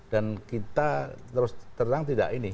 dan kita terus terang tidak ini